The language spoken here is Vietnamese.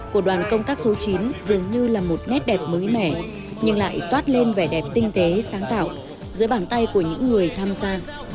của đoàn công tác số chín dường như là một nét đẹp mới mẻ nhưng lại toát lên vẻ đẹp tinh tế sáng tạo dưới bàn tay của những người tham gia